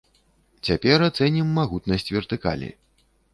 Цяпер ацэнім магутнасць вертыкалі.